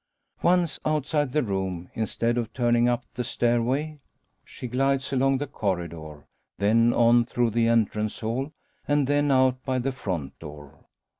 Once outside the room, instead of turning up the stair way, she glides along the corridor; then on through the entrance hall, and then out by the front door.